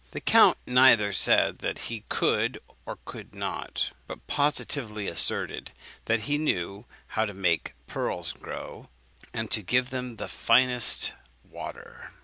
The count neither said that he could or could not, but positively asserted that he knew how to make pearls grow, and give them the finest water.